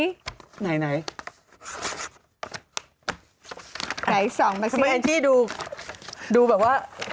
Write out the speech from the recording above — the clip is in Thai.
ทำไมอันที่ดูแบบว่า